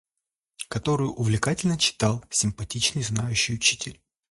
которую увлекательно читал симпатичный, знающий учитель.